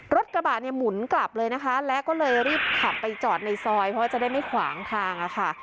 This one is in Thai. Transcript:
รถกระบะเนี่ยหมุนกลับเลยนะคะแล้วก็เลยรีบขับไปจอดในซอยเพราะว่าจะได้ไม่ขวางทางอะค่ะ